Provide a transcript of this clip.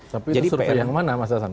tapi itu suruhnya yang mana mas yassan